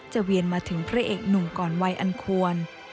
เวียนมาถึงพระเอกหนุ่มก่อนวัยอันควร